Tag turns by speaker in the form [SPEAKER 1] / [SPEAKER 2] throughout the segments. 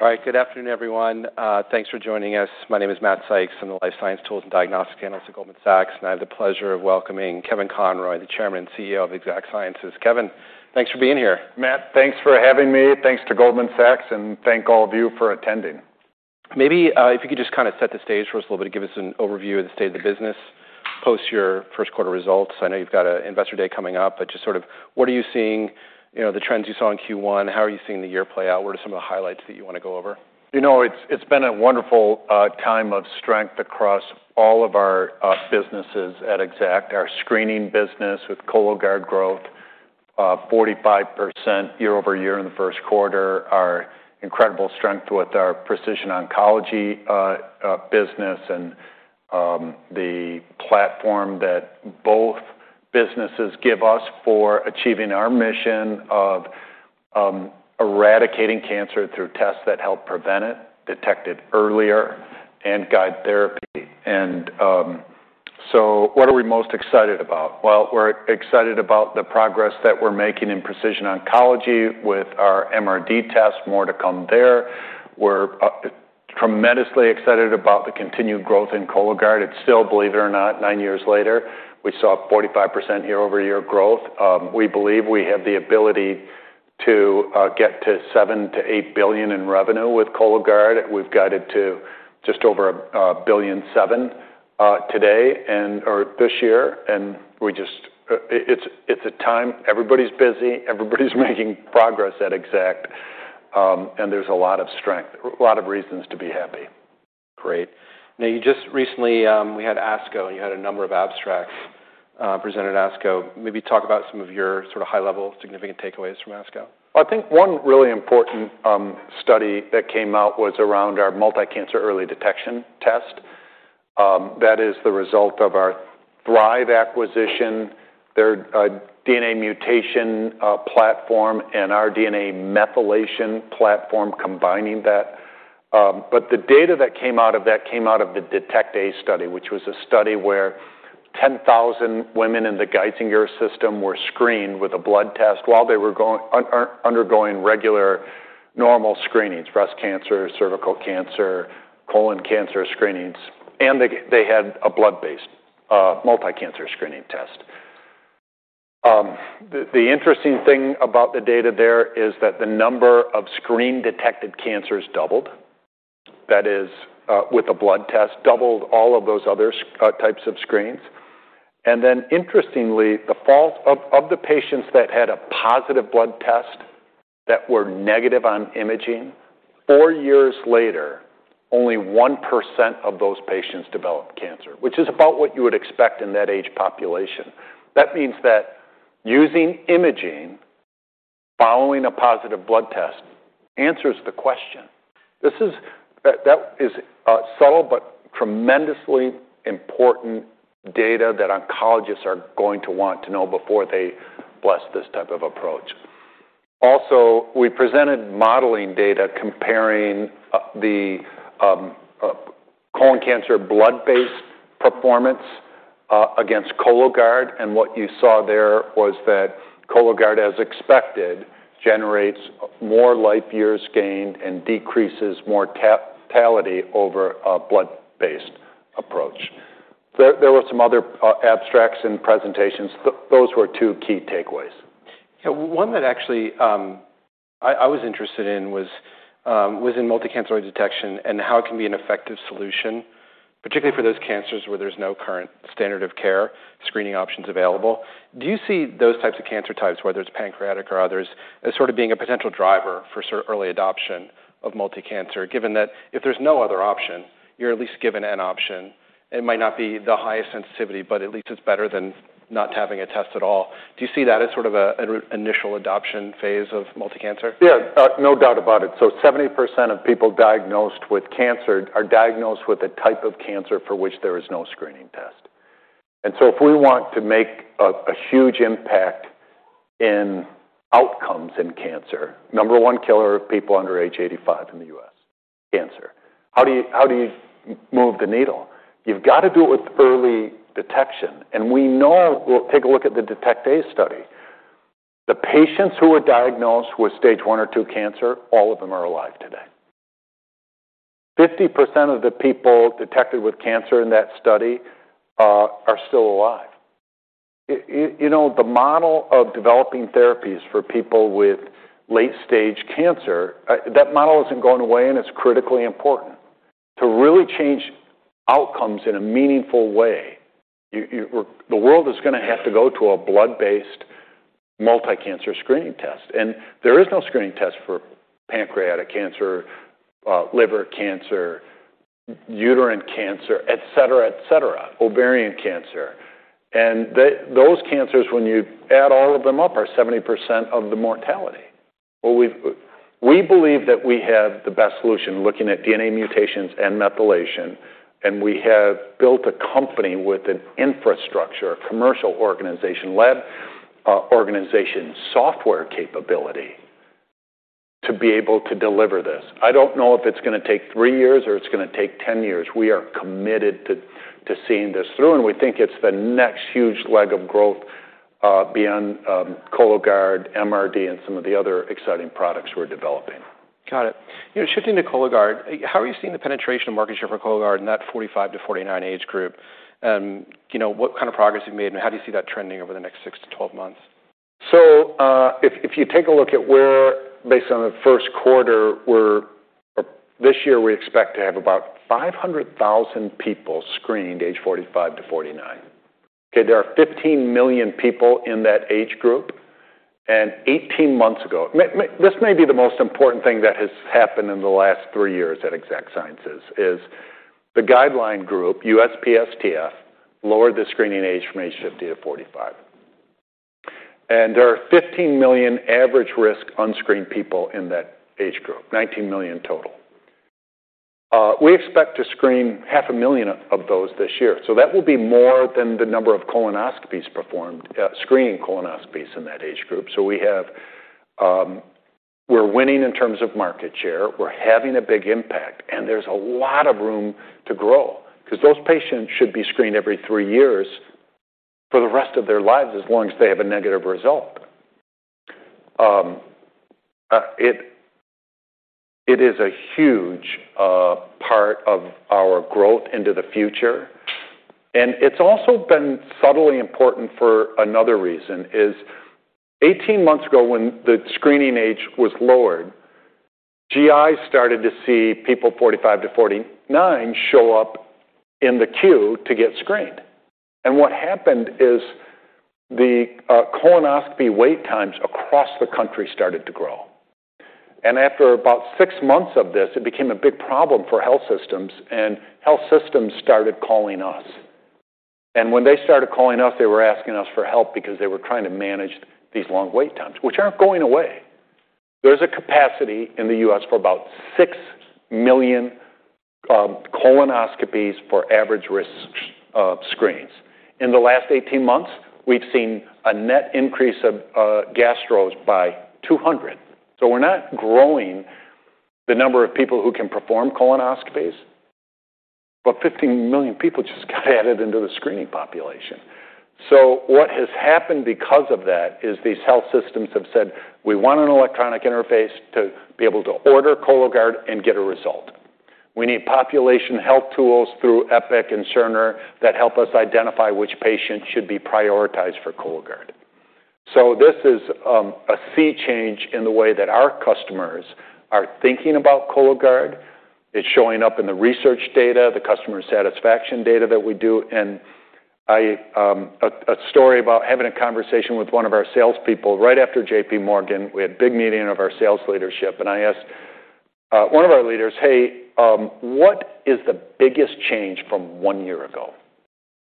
[SPEAKER 1] All right. Good afternoon, everyone. thanks for joining us. My name is Matthew Sykes. I'm the life science tools and diagnostic analyst at Goldman Sachs, and I have the pleasure of welcoming Kevin Conroy, the Chairman and CEO of Exact Sciences. Kevin, thanks for being here.
[SPEAKER 2] Matt, thanks for having me. Thanks to Goldman Sachs. Thank all of you for attending.
[SPEAKER 1] If you could just kind of set the stage for us a little bit, give us an overview of the state of the business, post your first quarter results. I know you've got an investor day coming up, but just sort of what are you seeing, you know, the trends you saw in Q1, how are you seeing the year play out? What are some of the highlights that you want to go over?
[SPEAKER 2] You know, it's been a wonderful time of strength across all of our businesses at Exact Sciences. Our screening business with Cologuard growth, 45% year-over-year in the first quarter, our incredible strength with our precision oncology business and the platform that both businesses give us for achieving our mission of eradicating cancer through tests that help prevent it, detect it earlier, and guide therapy. What are we most excited about? Well, we're excited about the progress that we're making in precision oncology with our MRD test. More to come there. We're tremendously excited about the continued growth in Cologuard. It's still, believe it or not, nine years later, we saw 45% year-over-year growth. We believe we have the ability to get to $7 billion-$8 billion in revenue with Cologuard. We've got it to just over $1.7 billion, today and or this year. We just. It's a time. Everybody's busy, everybody's making progress at Exact. There's a lot of strength, a lot of reasons to be happy.
[SPEAKER 1] Great. Now, you just recently, we had ASCO, and you had a number of abstracts, presented at ASCO. Maybe talk about some of your sort of high-level significant takeaways from ASCO.
[SPEAKER 2] I think one really important study that came out was around our multi-cancer early detection test. That is the result of our Thrive acquisition, their DNA mutation platform, and our DNA methylation platform, combining that. The data that came out of that came out of the DETECT-A study, which was a study where 10,000 women in the Geisinger system were screened with a blood test while they were undergoing regular, normal screenings, breast cancer, cervical cancer, colon cancer screenings, and they had a blood-based multi-cancer screening test. The interesting thing about the data there is that the number of screen-detected cancers doubled. That is with a blood test, doubled all of those other types of screens. Then interestingly, the fall... Of the patients that had a positive blood test that were negative on imaging, four years later, only 1% of those patients developed cancer, which is about what you would expect in that age population. That means that using imaging following a positive blood test answers the question. That is subtle but tremendously important data that oncologists are going to want to know before they bless this type of approach. We presented modeling data comparing the colon cancer blood-based performance against Cologuard, and what you saw there was that Cologuard, as expected, generates more life years gained and decreases mortality over a blood-based approach. There were some other abstracts and presentations. Those were two key takeaways.
[SPEAKER 1] Yeah. One that actually, I was interested in was in multi-cancer early detection and how it can be an effective solution, particularly for those cancers where there's no current standard of care, screening options available. Do you see those types of cancer types, whether it's pancreatic or others, as sort of being a potential driver for early adoption of multi-cancer? Given that if there's no other option, you're at least given an option, and it might not be the highest sensitivity, but at least it's better than not having a test at all. Do you see that as sort of a, an initial adoption phase of multi-cancer?
[SPEAKER 2] Yeah, no doubt about it. 70% of people diagnosed with cancer are diagnosed with a type of cancer for which there is no screening test. If we want to make a huge impact in outcomes in cancer, number one killer of people under age 85 in the U.S., cancer. How do you move the needle? You've got to do it with early detection, and we know. Well, take a look at the DETECT-A study. The patients who were diagnosed with stage 1 or 2 cancer, all of them are alive today. 50% of the people detected with cancer in that study are still alive. You know, the model of developing therapies for people with late-stage cancer, that model isn't going away, and it's critically important. To really change outcomes in a meaningful way, the world is gonna have to go to a blood-based multi-cancer screening test, and there is no screening test for pancreatic cancer, liver cancer, uterine cancer, et cetera, et cetera, ovarian cancer. Those cancers, when you add all of them up, are 70% of the mortality. Well, we believe that we have the best solution, looking at DNA mutations and methylation, and we have built a company with an infrastructure, a commercial organization, led organization software capability to be able to deliver this. I don't know if it's gonna take 3 years or it's gonna take 10 years. We are committed to seeing this through, and we think it's the next huge leg of growth beyond Cologuard, MRD, and some of the other exciting products we're developing.
[SPEAKER 1] Got it. You know, shifting to Cologuard, how are you seeing the penetration of market share for Cologuard in that 45 to 49 age group? You know, what kind of progress you've made, and how do you see that trending over the next 6 to 12 months?
[SPEAKER 2] If you take a look at where, based on the first quarter, this year, we expect to have about 500,000 people screened, age 45 to 49. Okay, there are 15 million people in that age group, and 18 months ago... This may be the most important thing that has happened in the last 3 years at Exact Sciences, is the guideline group, USPSTF, lowered the screening age from age 50 to 45. There are 15 million average-risk, unscreened people in that age group, 19 million total. We expect to screen half a million of those this year, so that will be more than the number of colonoscopies performed, screening colonoscopies in that age group. We have, we're winning in terms of market share. We're having a big impact, there's a lot of room to grow, because those patients should be screened every three years for the rest of their lives, as long as they have a negative result. It is a huge part of our growth into the future. It's also been subtly important for another reason. 18 months ago, when the screening age was lowered, GIs started to see people 45-49 show up in the queue to get screened. What happened is the colonoscopy wait times across the country started to grow. After about 6 months of this, it became a big problem for health systems. Health systems started calling us. When they started calling us, they were asking us for help because they were trying to manage these long wait times, which aren't going away. There's a capacity in the U.S. for about 6 million colonoscopies for average-risk screens. In the last 18 months, we've seen a net increase of GIs by 200. We're not growing the number of people who can perform colonoscopies, but 15 million people just got added into the screening population. What has happened because of that, is these health systems have said, "We want an electronic interface to be able to order Cologuard and get a result. We need population health tools through Epic and Cerner that help us identify which patients should be prioritized for Cologuard." This is a sea change in the way that our customers are thinking about Cologuard. It's showing up in the research data, the customer satisfaction data that we do. I, a story about having a conversation with one of our salespeople. After JP Morgan, we had a big meeting of our sales leadership, and I asked one of our leaders, "Hey, what is the biggest change from one year ago?"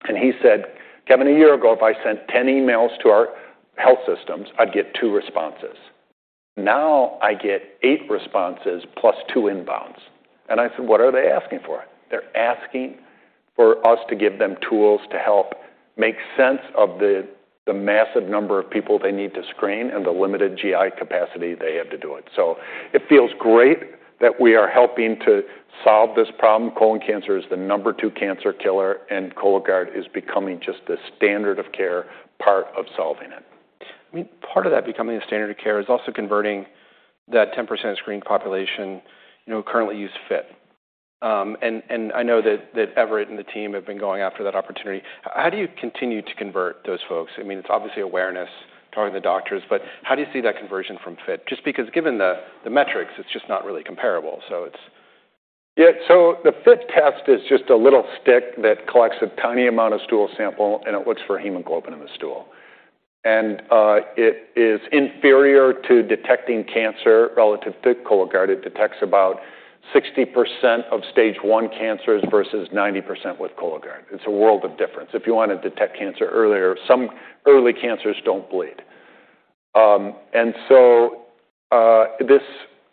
[SPEAKER 2] He said, "Kevin, a year ago, if I sent 10 emails to our health systems, I'd get two responses. Now I get eight responses, plus two inbounds." I said, "What are they asking for?" "They're asking for us to give them tools to help make sense of the massive number of people they need to screen and the limited GI capacity they have to do it." It feels great that we are helping to solve this problem. Colon cancer is the number two cancer killer, and Cologuard is becoming just the standard of care, part of solving it.
[SPEAKER 1] I mean, part of that becoming the standard of care is also converting that 10% screened population, you know, currently use FIT. I know that Everett and the team have been going after that opportunity. How do you continue to convert those folks? I mean, it's obviously awareness, talking to the doctors, but how do you see that conversion from FIT? Just because, given the metrics, it's just not really comparable, so it's.
[SPEAKER 2] The FIT test is just a little stick that collects a tiny amount of stool sample, and it looks for hemoglobin in the stool. It is inferior to detecting cancer relative to Cologuard. It detects about 60% of stage 1 cancers versus 90% with Cologuard. It's a world of difference if you want to detect cancer earlier. Some early cancers don't bleed. This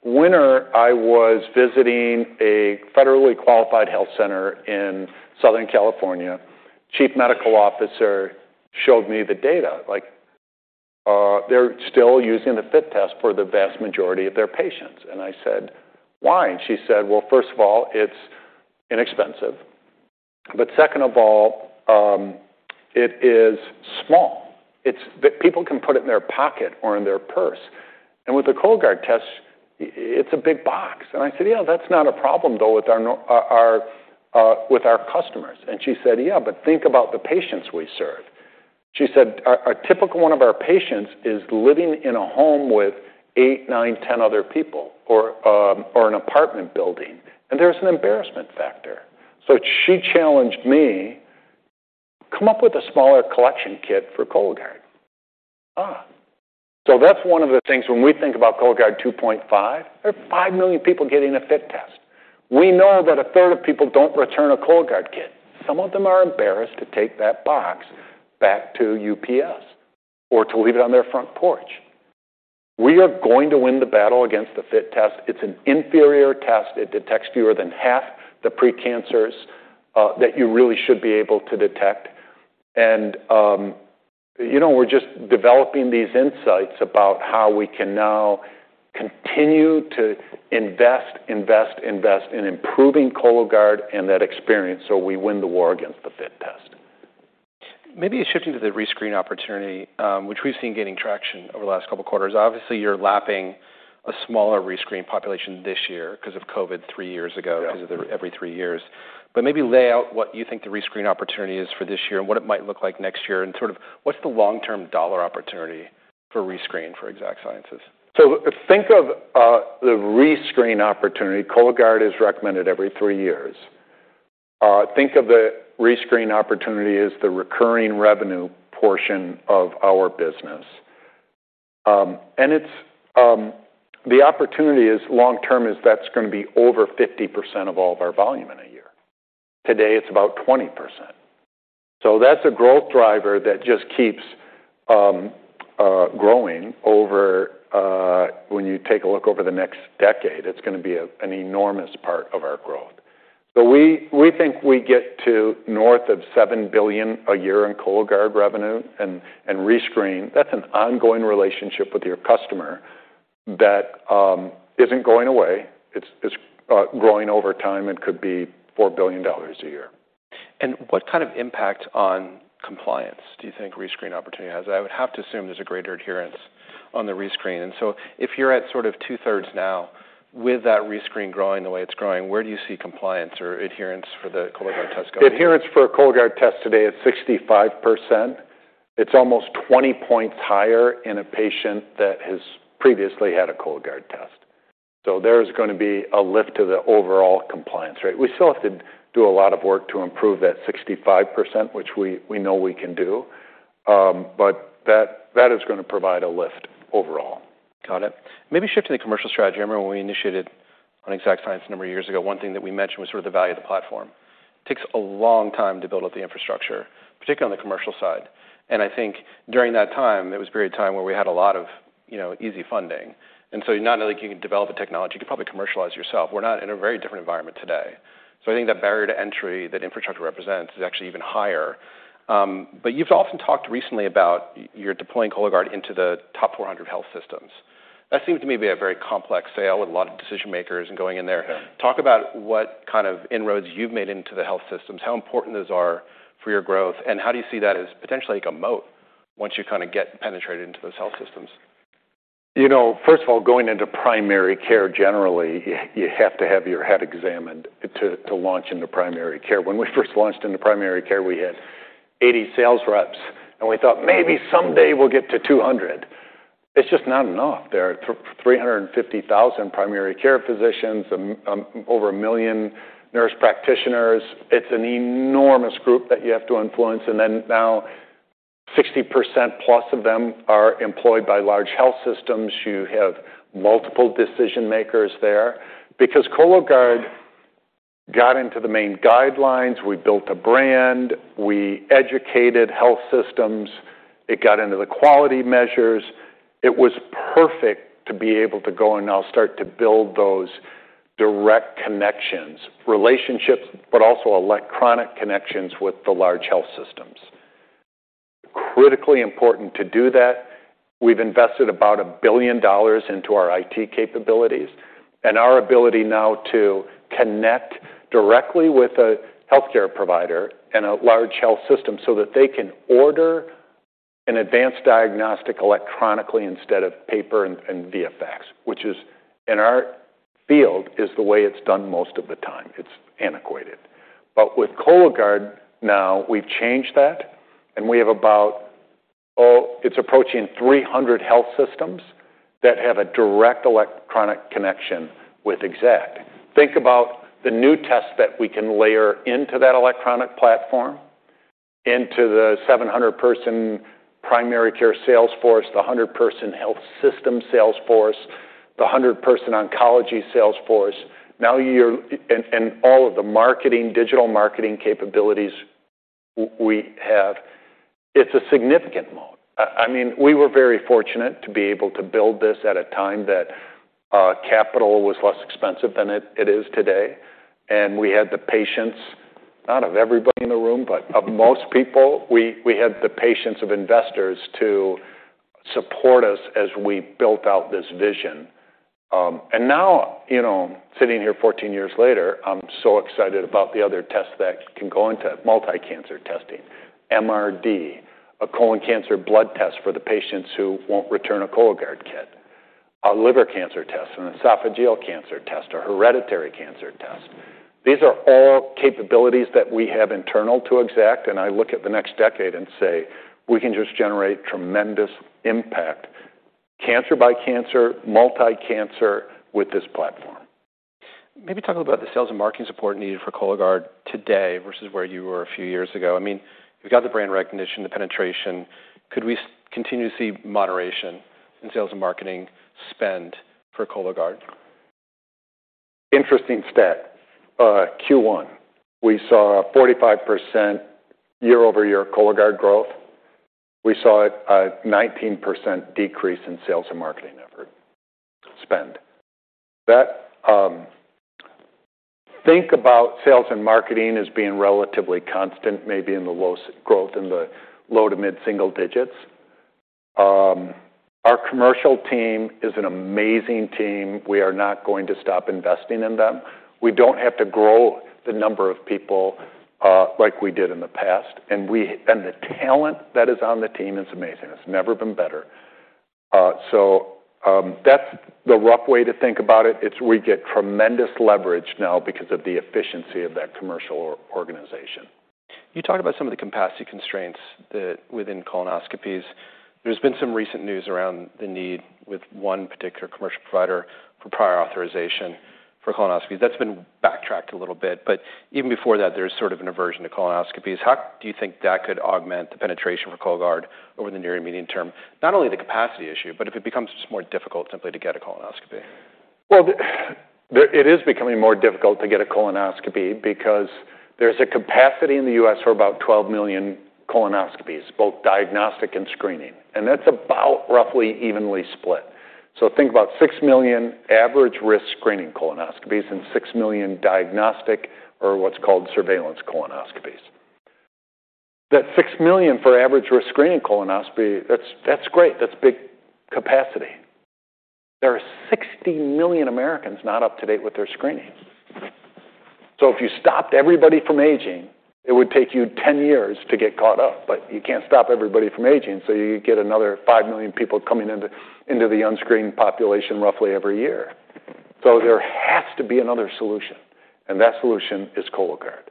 [SPEAKER 2] winter, I was visiting a Federally Qualified Health Center in Southern California. Chief Medical Officer showed me the data, like, they're still using the FIT test for the vast majority of their patients. I said, "Why?" She said, "Well, first of all, it's inexpensive. Second of all, it is small. People can put it in their pocket or in their purse. With the Cologuard test, it's a big box." I said, "Yeah, that's not a problem, though, with our customers." She said, "Yeah, think about the patients we serve." She said, "A typical one of our patients is living in a home with 8, 9, 10 other people, or an apartment building, and there's an embarrassment factor." She challenged me: "Come up with a smaller collection kit for Cologuard." That's one of the things. When we think about Cologuard 2.5, there are 5 million people getting a FIT test. We know that a third of people don't return a Cologuard kit. Some of them are embarrassed to take that box back to UPS or to leave it on their front porch. We are going to win the battle against the FIT test. It's an inferior test. It detects fewer than half the pre-cancers that you really should be able to detect. you know, we're just developing these insights about how we can continue to invest, invest in improving Cologuard and that experience so we win the war against the FIT test.
[SPEAKER 1] Maybe shifting to the rescreen opportunity, which we've seen gaining traction over the last couple of quarters. Obviously, you're lapping a smaller rescreen population this year 'cause of COVID three years ago.
[SPEAKER 2] Yeah.
[SPEAKER 1] 'cause they're every 3 years. Maybe lay out what you think the rescreen opportunity is for this year and what it might look like next year, and sort of what's the long-term $ opportunity for rescreen for Exact Sciences?
[SPEAKER 2] Think of the rescreen opportunity, Cologuard is recommended every 3 years. Think of the rescreen opportunity as the recurring revenue portion of our business. It's the opportunity is long-term, is that's gonna be over 50% of all of our volume in a year. Today, it's about 20%. That's a growth driver that just keeps growing over when you take a look over the next decade, it's gonna be an enormous part of our growth. We think we get to north of $7 billion a year in Cologuard revenue and rescreen. That's an ongoing relationship with your customer that isn't going away. It's growing over time. It could be $4 billion a year.
[SPEAKER 1] What kind of impact on compliance do you think rescreen opportunity has? I would have to assume there's a greater adherence on the rescreen, and so if you're at sort of two-thirds now, with that rescreen growing the way it's growing, where do you see compliance or adherence for the Cologuard test go?
[SPEAKER 2] Adherence for a Cologuard test today is 65%. It's almost 20 points higher in a patient that has previously had a Cologuard test. There's gonna be a lift to the overall compliance rate. We still have to do a lot of work to improve that 65%, which we know we can do, but that is gonna provide a lift overall.
[SPEAKER 1] Got it. Maybe shift to the commercial strategy. I remember when we initiated on Exact Sciences a number of years ago, one thing that we mentioned was sort of the value of the platform. Takes a long time to build up the infrastructure, particularly on the commercial side, and I think during that time, there was a period of time where we had a lot of, you know, easy funding, and so you not only can you develop a technology, you can probably commercialize yourself. We're not in a very different environment today. I think that barrier to entry that infrastructure represents is actually even higher. But you've often talked recently about you're deploying Cologuard into the top 400 health systems. That seems to me to be a very complex sale with a lot of decision-makers and going in there.
[SPEAKER 2] Yeah.
[SPEAKER 1] Talk about what kind of inroads you've made into the health systems, how important those are for your growth. How do you see that as potentially a moat once you kind of get penetrated into those health systems?
[SPEAKER 2] You know, first of all, going into primary care, generally, you have to have your head examined to launch into primary care. When we first launched into primary care, we had 80 sales reps, and we thought, "Maybe someday we'll get to 200." It's just not enough. There are 350,000 primary care physicians and over 1 million nurse practitioners. It's an enormous group that you have to influence. Now 60% plus of them are employed by large health systems. You have multiple decision makers there. Because Cologuard got into the main guidelines, we built a brand, we educated health systems, it got into the quality measures. It was perfect to be able to go and now start to build those direct connections, relationships, but also electronic connections with the large health systems. Critically important to do that, we've invested about $1 billion into our IT capabilities and our ability now to connect directly with a healthcare provider and a large health system so that they can order an advanced diagnostic electronically instead of paper and via fax, which is, in our field, is the way it's done most of the time. It's antiquated. With Cologuard, now, we've changed that, and we have about, oh, it's approaching 300 health systems that have a direct electronic connection with Exact. Think about the new tests that we can layer into that electronic platform, into the 700 person primary care sales force, the 100 person health system sales force, the 100 person oncology sales force. All of the marketing, digital marketing capabilities we have, it's a significant moat. I mean, we were very fortunate to be able to build this at a time that capital was less expensive than it is today, and we had the patience, not of everybody in the room, but of most people. We had the patience of investors to support us as we built out this vision. Now, you know, sitting here 14 years later, I'm so excited about the other tests that can go into multi-cancer testing. MRD, a colon cancer blood test for the patients who won't return a Cologuard kit, a liver cancer test, an esophageal cancer test, a hereditary cancer test. These are all capabilities that we have internal to Exact. I look at the next decade and say: We can just generate tremendous impact, cancer by cancer, multi-cancer with this platform.
[SPEAKER 1] Maybe talk about the sales and marketing support needed for Cologuard today versus where you were a few years ago? I mean, you've got the brand recognition, the penetration. Could we continue to see moderation in sales and marketing spend for Cologuard?
[SPEAKER 2] Interesting stat. Q1, we saw a 45% year-over-year Cologuard growth. We saw a 19% decrease in sales and marketing effort spend. Think about sales and marketing as being relatively constant, maybe in the low growth, in the low to mid-single digits. Our commercial team is an amazing team. We are not going to stop investing in them. We don't have to grow the number of people like we did in the past, and the talent that is on the team is amazing. It's never been better. That's the rough way to think about it. It's we get tremendous leverage now because of the efficiency of that commercial organization.
[SPEAKER 1] You talked about some of the capacity constraints that within colonoscopies, there's been some recent news around the need, with one particular commercial provider, for prior authorization for colonoscopy. That's been backtracked a little bit, but even before that, there's sort of an aversion to colonoscopies. How do you think that could augment the penetration for Cologuard over the near and medium term, not only the capacity issue, but if it becomes more difficult simply to get a colonoscopy?
[SPEAKER 2] Well, it is becoming more difficult to get a colonoscopy because there's a capacity in the U.S. for about 12 million colonoscopies, both diagnostic and screening, and that's about roughly evenly split. Think about 6 million average risk screening colonoscopies and 6 million diagnostic, or what's called surveillance colonoscopies. That 6 million for average risk screening colonoscopy, that's great. That's big capacity. There are 60 million Americans not up to date with their screening. If you stopped everybody from aging, it would take you 10 years to get caught up, but you can't stop everybody from aging, so you get another 5 million people coming into the unscreened population roughly every year. There has to be another solution, and that solution is Cologuard.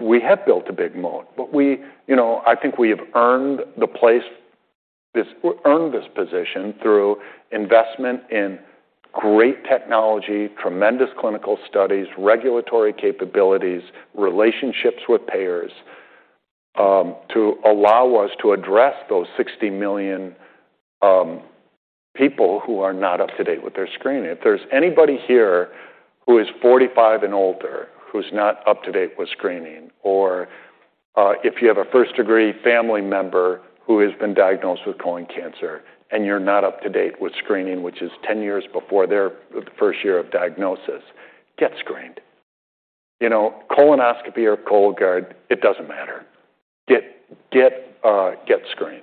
[SPEAKER 2] We have built a big moat. We, you know, I think we have earned the place, earned this position through investment in great technology, tremendous clinical studies, regulatory capabilities, relationships with payers, to allow us to address those 60 million people who are not up to date with their screening. If there's anybody here who is 45 and older, who's not up to date with screening, or, if you have a first-degree family member who has been diagnosed with colon cancer and you're not up to date with screening, which is 10 years before their first year of diagnosis, get screened. You know, colonoscopy or Cologuard, it doesn't matter. Get screened.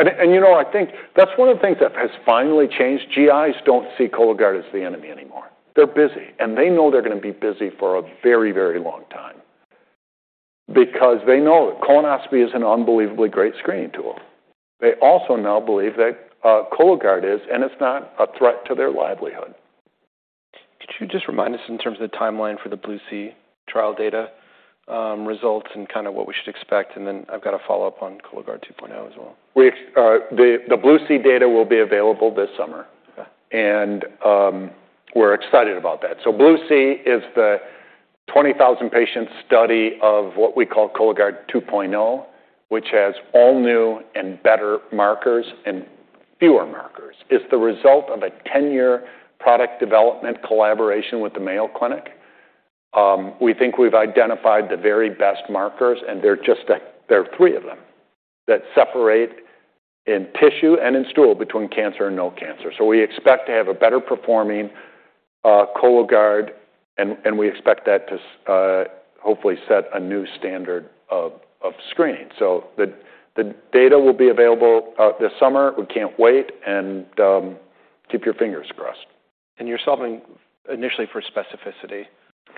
[SPEAKER 2] You know, I think that's one of the things that has finally changed. GIs don't see Cologuard as the enemy anymore. They're busy, and they know they're gonna be busy for a very, very long time. They know that colonoscopy is an unbelievably great screening tool. They also now believe that Cologuard is, and it's not a threat to their livelihood.
[SPEAKER 1] Could you just remind us in terms of the timeline for the BLUE-C trial data, results and kind of what we should expect? I've got a follow-up on Cologuard 2.0 as well.
[SPEAKER 2] The BLUE-C data will be available this summer.
[SPEAKER 1] Okay.
[SPEAKER 2] We're excited about that. BLUE C is the 20,000 patient study of what we call Cologuard 2.0, which has all new and better markers and fewer markers. It's the result of a 10-year product development collaboration with the Mayo Clinic. We think we've identified the very best markers, and there are three of them, that separate in tissue and in stool between cancer and no cancer. We expect to have a better performing Cologuard, and we expect that to hopefully set a new standard of screening. The data will be available this summer. We can't wait, and keep your fingers crossed.
[SPEAKER 1] You're solving initially for specificity,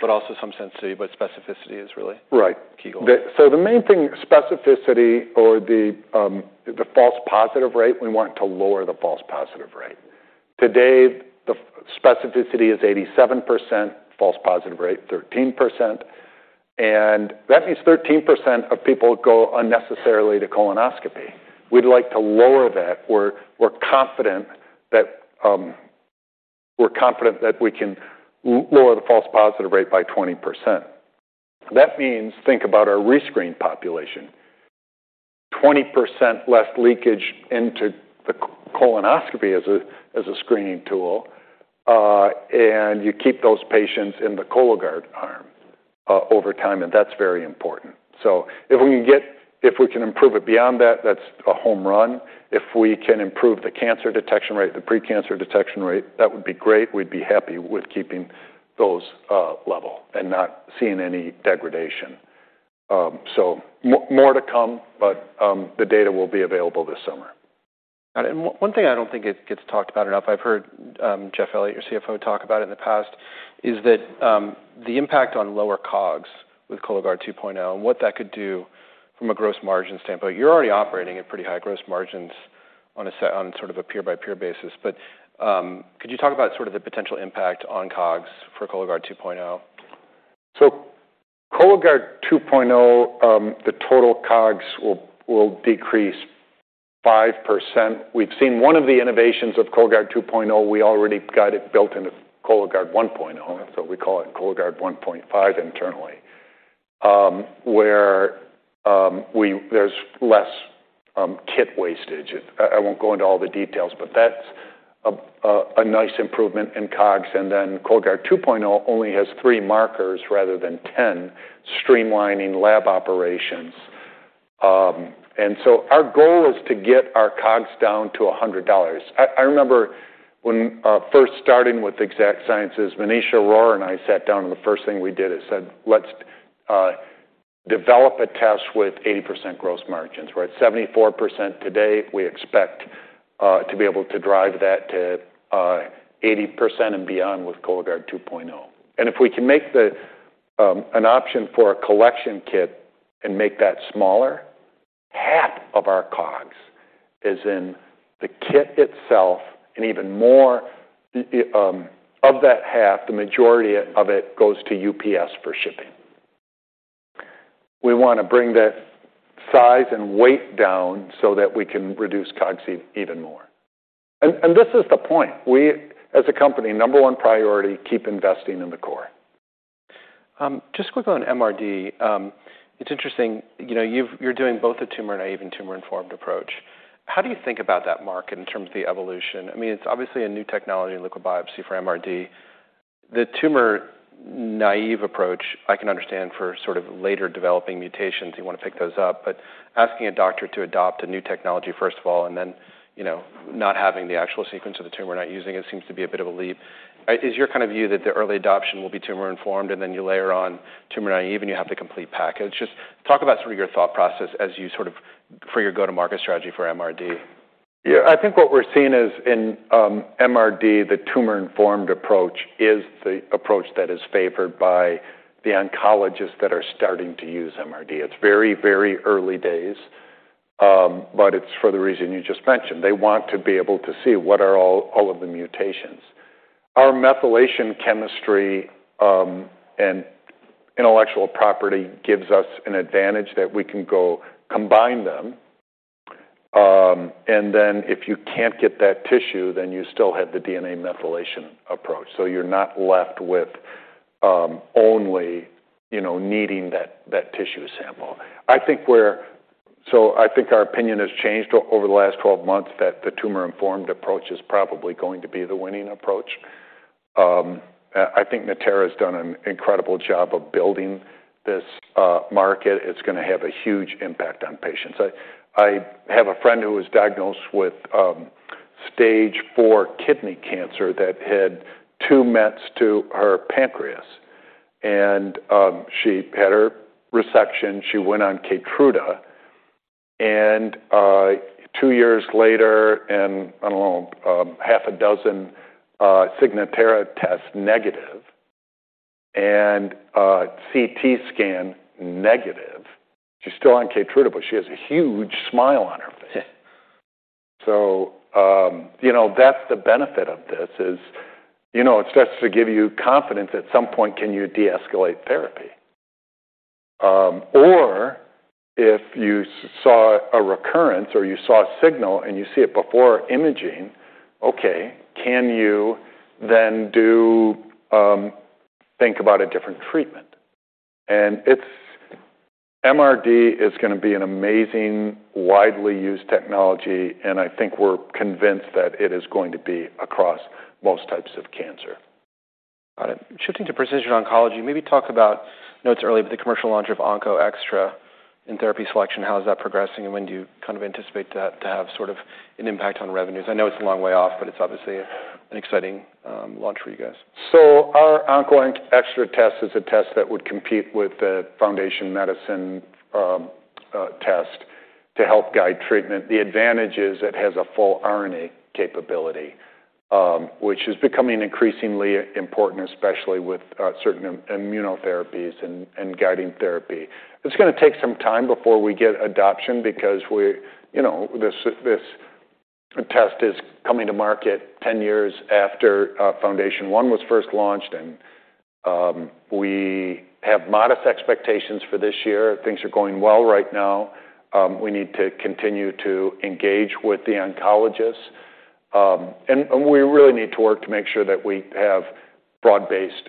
[SPEAKER 1] but also some sensitivity, but specificity is really-
[SPEAKER 2] Right.
[SPEAKER 1] Key goal.
[SPEAKER 2] The main thing, specificity or the false positive rate, we want to lower the false positive rate. Today, the specificity is 87%, false positive rate 13%, and that means 13% of people go unnecessarily to colonoscopy. We'd like to lower that. We're confident that we can lower the false positive rate by 20%. That means think about our rescreen population. 20% less leakage into the colonoscopy as a screening tool, and you keep those patients in the Cologuard arm over time, and that's very important. If we can improve it beyond that's a home run. If we can improve the cancer detection rate, the pre-cancer detection rate, that would be great. We'd be happy with keeping those level and not seeing any degradation. More to come, but, the data will be available this summer.
[SPEAKER 1] Got it. One thing I don't think it gets talked about enough, I've heard, Jeff Elliott, Chief Financial Officer, talk about it in the past, is that the impact on lower COGS with Cologuard 2.0 and what that could do from a gross margin standpoint. You're already operating at pretty high gross margins on sort of a peer-by-peer basis. Could you talk about sort of the potential impact on COGS for Cologuard 2.0?
[SPEAKER 2] Cologuard 2.0, the total COGS will decrease 5%. We've seen one of the innovations of Cologuard 2.0, we already got it built into Cologuard 1.0, so we call it Cologuard 1.5 internally, where there's less kit wastage. I won't go into all the details, but that's a nice improvement in COGS. Cologuard 2.0 only has 3 markers rather than 10, streamlining lab operations. Our goal is to get our COGS down to $100. I remember when, first starting with Exact Sciences, Manisha Arora and I sat down, and the first thing we did is said: Let's develop a test with 80% gross margins, right? 74% today, we expect to be able to drive that to 80% and beyond with Cologuard 2.0. If we can make the an option for a collection kit and make that smaller, half of our COGS is in the kit itself, and even more of that half, the majority of it goes to UPS for shipping. We want to bring that size and weight down so that we can reduce COGS even more. This is the point: we, as a company, number one priority, keep investing in the core.
[SPEAKER 1] Just quickly on MRD. It's interesting, you know, you're doing both the tumor-naive and tumor-informed approach. How do you think about that mark in terms of the evolution? I mean, it's obviously a new technology in liquid biopsy for MRD. The tumor-naive approach, I can understand for sort of later developing mutations, you want to pick those up, but asking a doctor to adopt a new technology, first of all, and then, you know, not having the actual sequence of the tumor, not using it, seems to be a bit of a leap. Is your kind of view that the early adoption will be tumor-informed, and then you layer on tumor-naive, and you have the complete package? Just talk about sort of your thought process as you sort of... For your go-to-market strategy for MRD.
[SPEAKER 2] Yeah, I think what we're seeing is in MRD, the tumor-informed approach is the approach that is favored by the oncologists that are starting to use MRD. It's very, very early days, but it's for the reason you just mentioned. They want to be able to see what are all of the mutations. Our methylation chemistry and intellectual property gives us an advantage that we can go combine them. If you can't get that tissue, then you still have the DNA methylation approach, so you're not left with only, you know, needing that tissue sample. I think our opinion has changed over the last 12 months, that the tumor-informed approach is probably going to be the winning approach. I think Natera has done an incredible job of building this market. It's gonna have a huge impact on patients. I have a friend who was diagnosed with stage four kidney cancer that had two mets to her pancreas. She had her resection. She went on KEYTRUDA. two years later, I don't know, half a dozen Signatera tests negative and a CT scan negative. She's still on KEYTRUDA, she has a huge smile on her face. you know, that's the benefit of this, is, you know, it starts to give you confidence that at some point, can you deescalate therapy? Or if you saw a recurrence or you saw a signal and you see it before imaging, okay, can you then do Think about a different treatment? It's MRD is gonna be an amazing, widely used technology, and I think we're convinced that it is going to be across most types of cancer.
[SPEAKER 1] Got it. Shifting to precision oncology, maybe talk about, I know it's early, but the commercial launch of OncoExTra in therapy selection, how is that progressing, when do you kind of anticipate that to have sort of an impact on revenues? I know it's a long way off, but it's obviously an exciting launch for you guys.
[SPEAKER 2] Our OncoExTra test is a test that would compete with the Foundation Medicine test to help guide treatment. The advantage is it has a full RNA capability, which is becoming increasingly important, especially with certain immunotherapies and guiding therapy. It's gonna take some time before we get adoption because we, you know, this test is coming to market 10 years after FoundationOne was first launched, and we have modest expectations for this year. Things are going well right now. We need to continue to engage with the oncologists, and we really need to work to make sure that we have broad-based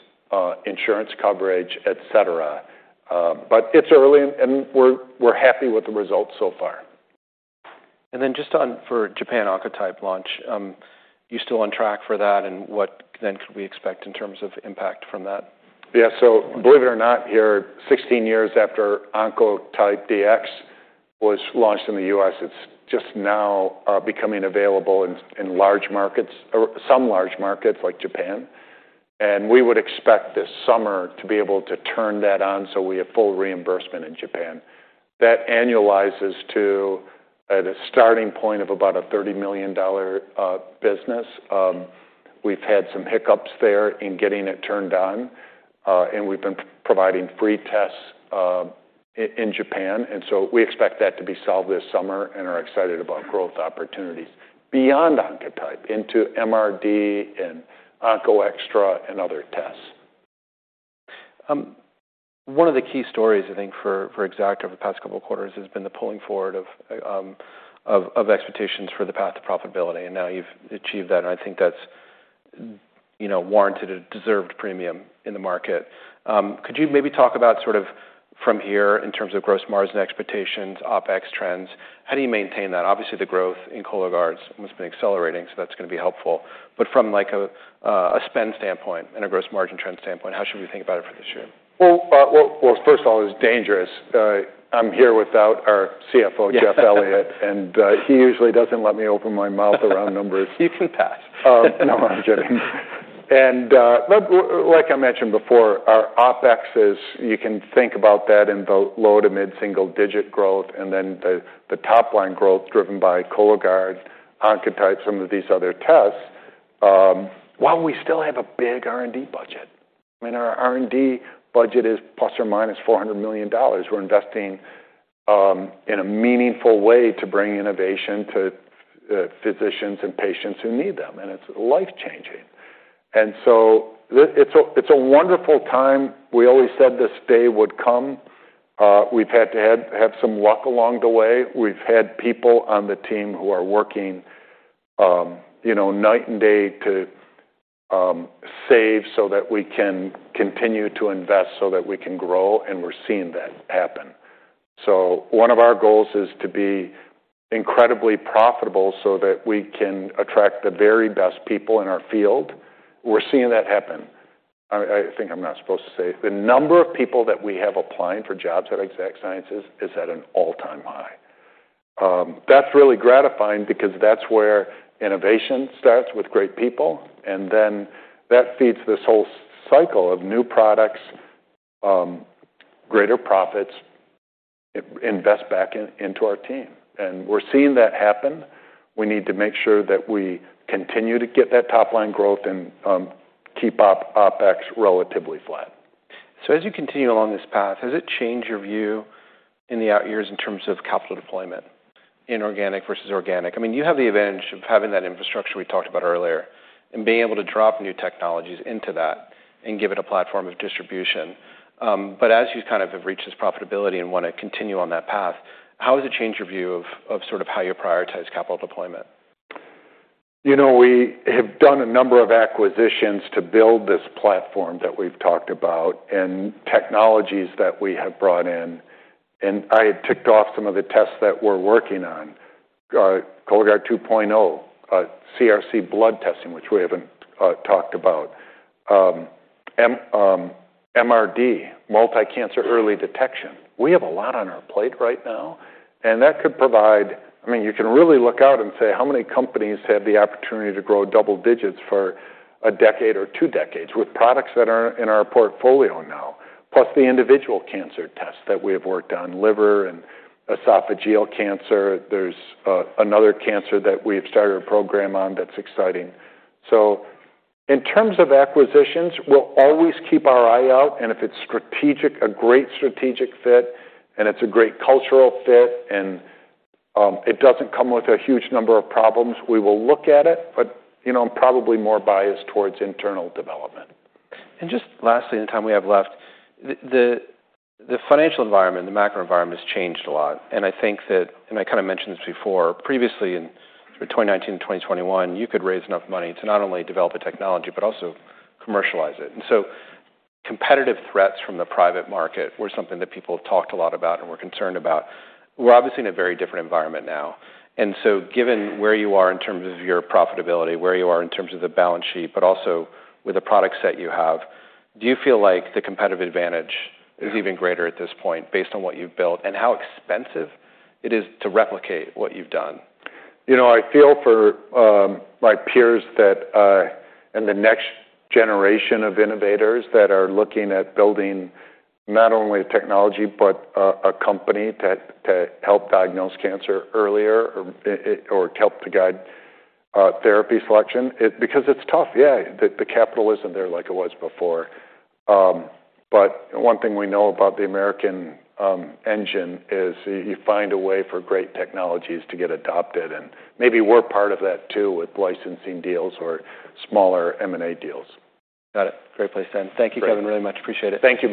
[SPEAKER 2] insurance coverage, et cetera. But it's early, and we're happy with the results so far.
[SPEAKER 1] just on for Japan Oncotype launch, you still on track for that, and what then could we expect in terms of impact from that?
[SPEAKER 2] Believe it or not, here, 16 years after Oncotype DX was launched in the U.S., it's just now becoming available in large markets or some large markets like Japan. We would expect this summer to be able to turn that on, so we have full reimbursement in Japan. That annualizes to, at a starting point, of about a $30 million business. We've had some hiccups there in getting it turned on, and we've been providing free tests in Japan. We expect that to be solved this summer and are excited about growth opportunities beyond Oncotype into MRD and OncoExTra and other tests.
[SPEAKER 1] One of the key stories, I think, for Exact over the past couple of quarters has been the pulling forward of expectations for the path to profitability, and now you've achieved that, and I think that's, you know, warranted a deserved premium in the market. Could you maybe talk about sort of from here, in terms of gross margins and expectations, OpEx trends, how do you maintain that? Obviously, the growth in Cologuard must have been accelerating, that's gonna be helpful. From, like, a spend standpoint and a gross margin trend standpoint, how should we think about it for this year?...
[SPEAKER 2] Well, first of all, it's dangerous. I'm here without our CFO, Jeff Elliott, and he usually doesn't let me open my mouth around numbers.
[SPEAKER 1] You can pass.
[SPEAKER 2] Oh, no, I'm joking. Like I mentioned before, our OpEx is... You can think about that in both low to mid-single digit growth, then the top line growth driven by Cologuard, Oncotype, some of these other tests, while we still have a big R&D budget. I mean, our R&D budget is ±$400 million. We're investing in a meaningful way to bring innovation to physicians and patients who need them, it's life-changing. It's a wonderful time. We've had to have some luck along the way. We've had people on the team who are working, you know, night and day to save so that we can continue to invest, so that we can grow, we're seeing that happen. One of our goals is to be incredibly profitable so that we can attract the very best people in our field. We're seeing that happen. I think I'm not supposed to say, the number of people that we have applying for jobs at Exact Sciences is at an all-time high. That's really gratifying because that's where innovation starts, with great people, and then that feeds this whole cycle of new products, greater profits, invest back into our team, and we're seeing that happen. We need to make sure that we continue to get that top-line growth and keep OpEx relatively flat.
[SPEAKER 1] As you continue along this path, has it changed your view in the out years in terms of capital deployment, inorganic versus organic? I mean, you have the advantage of having that infrastructure we talked about earlier, and being able to drop new technologies into that and give it a platform of distribution. But as you kind of have reached this profitability and wanna continue on that path, how has it changed your view of sort of how you prioritize capital deployment?
[SPEAKER 2] You know, we have done a number of acquisitions to build this platform that we've talked about and technologies that we have brought in, and I had ticked off some of the tests that we're working on. Cologuard 2.0, CRC blood testing, which we haven't talked about. MRD, multi-cancer early detection. We have a lot on our plate right now, that could provide... I mean, you can really look out and say, "How many companies have the opportunity to grow double digits for a decade or 2 decades with products that are in our portfolio now?" Plus the individual cancer tests that we have worked on, liver and esophageal cancer. There's another cancer that we have started a program on that's exciting. In terms of acquisitions, we'll always keep our eye out, and if it's strategic, a great strategic fit, and it's a great cultural fit, and it doesn't come with a huge number of problems, we will look at it, but, you know, I'm probably more biased towards internal development.
[SPEAKER 1] Just lastly, in the time we have left, the financial environment, the macro environment has changed a lot, and I think that, and I kind of mentioned this before, previously, in 2019, 2021, you could raise enough money to not only develop a technology but also commercialize it. Competitive threats from the private market were something that people have talked a lot about and were concerned about. We're obviously in a very different environment now, and so given where you are in terms of your profitability, where you are in terms of the balance sheet, but also with the product set you have, do you feel like the competitive advantage-
[SPEAKER 2] Yeah
[SPEAKER 1] is even greater at this point, based on what you've built and how expensive it is to replicate what you've done?
[SPEAKER 2] You know, I feel for my peers that in the next generation of innovators that are looking at building not only a technology, but a company to help diagnose cancer earlier or help to guide therapy selection. Because it's tough, yeah, the capital isn't there like it was before. One thing we know about the American engine is you find a way for great technologies to get adopted, and maybe we're part of that too, with licensing deals or smaller M&A deals.
[SPEAKER 1] Got it. Great place to end.
[SPEAKER 2] Great.
[SPEAKER 1] Thank you, Kevin, very much. Appreciate it. Thank you.